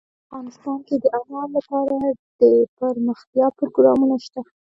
افغانستان کې د انار لپاره دپرمختیا پروګرامونه شته.